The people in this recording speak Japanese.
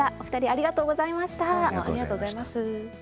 ありがとうございます。